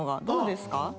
どうですか？